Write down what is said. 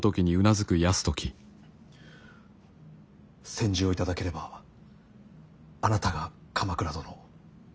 「宣旨を頂ければあなたが鎌倉殿。